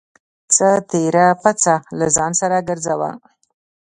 څه تېره پڅه له ځان سره گرځوه.